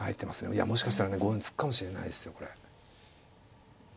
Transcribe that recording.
いやもしかしたらね５四歩突くかもしれないですよこれ。